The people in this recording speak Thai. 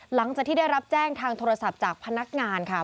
หลังจากที่ได้รับแจ้งทางโทรศัพท์จากพนักงานค่ะ